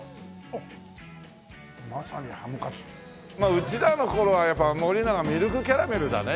うちらの頃はやっぱ森永ミルクキャラメルだね。